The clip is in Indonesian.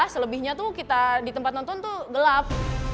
selebihnya tuh kita di tempat nonton tuh gelap